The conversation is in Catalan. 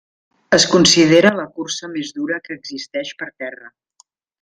Es considera la cursa més dura que existeix per terra.